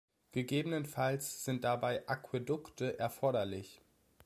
Gegebenenfalls sind dabei Aquädukte erforderlich.